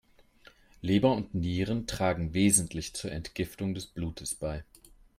Leber und Nieren tragen wesentlich zur Entgiftung des Blutes bei.